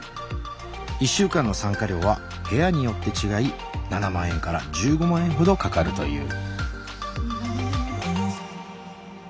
１週間の参加料は部屋によって違い７万円から１５万円ほどかかるという。